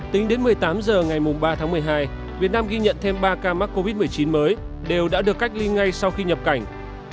tính đến một mươi tám h ngày ba tháng một mươi hai việt nam ghi nhận thêm ba ca mắc covid một mươi chín mới đều đã được cách ly ngay sau khi nhập cảnh